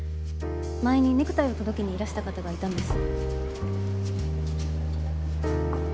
前にネクタイを届けにいらした方がいたんです。